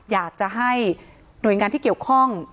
อยากจะให้หน่วยงานที่เกี่ยวข้อง